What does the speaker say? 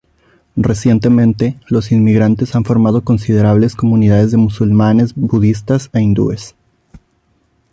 Recientemente, los inmigrantes han formado considerables comunidades de musulmanes, budistas e hindúes.